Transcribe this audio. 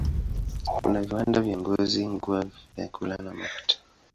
Kuna viwanda vya ngozi, nguo, vyakula na mafuta.